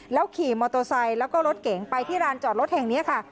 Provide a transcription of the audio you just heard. แล้วขี่มอโตไซน์แล้วก็รถเก๋งไปที่รานจอดรถแห่งเนี้ยค่ะ